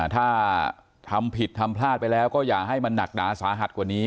ถ้าทำผิดทำพลาดไปแล้วก็อย่าให้มันหนักหนาสาหัสกว่านี้